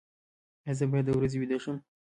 ایا زه باید د ورځې ویده شم؟